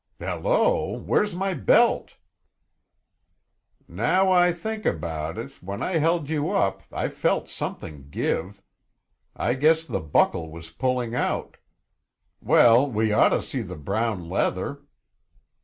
"Hello! Where's my belt?" "Now I think about it, when I held you up I felt something give. I guess the buckle was pulling out. Well, we ought to see the brown leather."